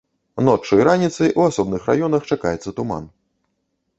Ноччу і раніцай у асобных раёнах чакаецца туман.